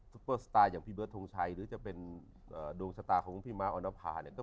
เปอร์สตาร์อย่างพี่เบิร์ดทงชัยหรือจะเป็นดวงชะตาของพี่ม้าออนภาเนี่ย